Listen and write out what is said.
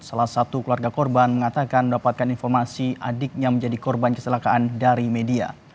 salah satu keluarga korban mengatakan mendapatkan informasi adiknya menjadi korban kecelakaan dari media